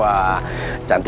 kita harus menunggu